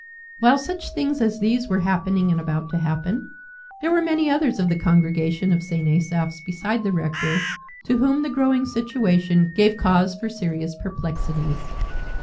While such things as these were happening and about to happen, there were many others of the congregation of St. Asaph's beside the rector to whom the growing situation gave cause for serious perplexities.